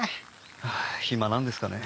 はあ暇なんですかねえ。